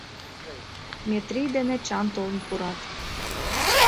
Метрий ден Эчан толын пурат.